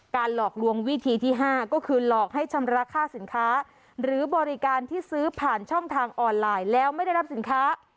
หลอกลวงวิธีที่๕ก็คือหลอกให้ชำระค่าสินค้าหรือบริการที่ซื้อผ่านช่องทางออนไลน์แล้วไม่ได้รับสินค้า